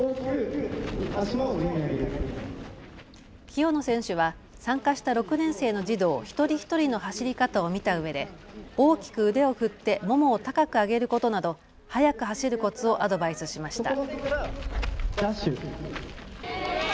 清野選手は参加した６年生の児童一人一人の走り方を見たうえで大きく腕を振って、ももを高く上げることなど速く走るコツをアドバイスしました。